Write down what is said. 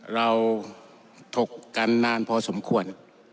ถกกันนานพอสมควร